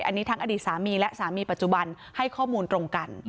อันนี้ทั้งอดีตสามีและสามีปัจจุบันให้ข้อมูลตรงกัน